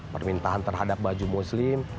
permintaan terhadap baju muslim